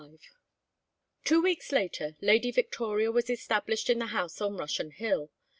XXV Two weeks later Lady Victoria was established in the house on Russian Hill.